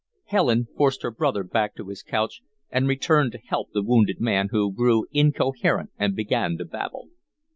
Helen forced her brother back to his couch, and returned to help the wounded man, who grew incoherent and began to babble.